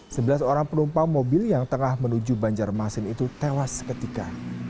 sebelas orang penumpang mobil yang tengah menuju banjarmasin itu tewas seketika